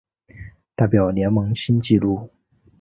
代表联盟新纪录